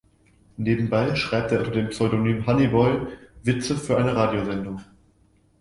Nebenbei schreibt er unter dem Pseudonym "Honey Boy" Witze für eine Radiosendung.